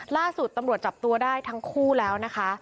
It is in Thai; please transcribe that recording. ล่าสุดตำรวจจับตัวได้ทั้งคู่แล้วนะคะ